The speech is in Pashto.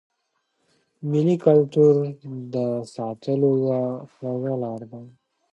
مېلې د کلتور د ساتلو یوه خوږه لار ده.